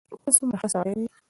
ته څومره ښه سړی یې.